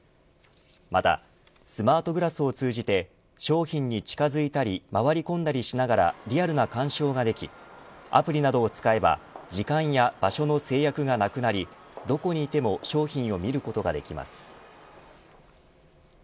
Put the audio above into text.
またスマートグラスを通じて商品に近づいたり回り込んだりしながらリアルな鑑賞ができアプリなどを使えば時間や場所の制約がなくなりどこにいても商品を見ることができます。